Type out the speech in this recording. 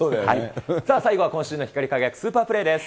さあ、最後は今週の光り輝くスーパープレーです。